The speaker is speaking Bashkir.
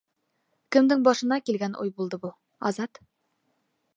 Кемдең башына килгән уй булды был, Азат?!